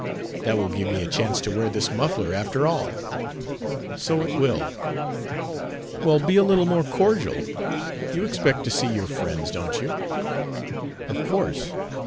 "That will give me a chance to wear this muffler, after all." "So it will." "Well, be a little more cordial. You expect to see your friends, don't you?" "Of course.